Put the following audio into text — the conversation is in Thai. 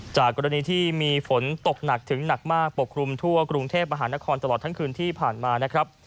จากกรณีที่มีฝนตกหนักถึงหนักมากปกครุมทั่วกรุงเทพมหานครตลอดทั้งคืนที่ผ่านมานะครับ